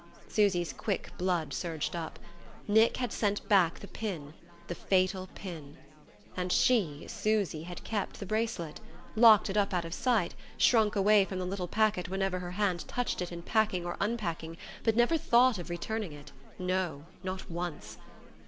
Susy's quick blood surged up. Nick had sent back the pin the fatal pin! And she, Susy, had kept the bracelet locked it up out of sight, shrunk away from the little packet whenever her hand touched it in packing or unpacking but never thought of returning it, no, not once!